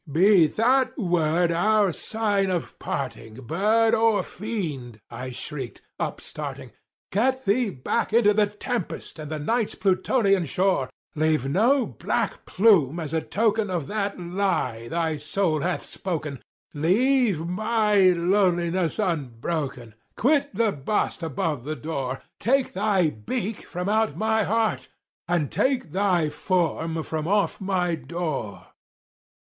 "Be that word our sign of parting, bird or fiend!" I shrieked, upstarting— "Get thee back into the tempest and the Night's Plutonian shore! Leave no black plume as a token of that lie thy soul hath spoken! Leave my loneliness unbroken!—quit the bust above my door! Take thy beak from out my heart, and take thy form from off my door!"